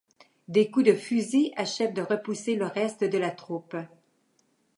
Des coups de fusil achèvent de repousser le reste de la troupe.